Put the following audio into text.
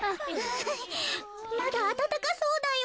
まだあたたかそうだよ。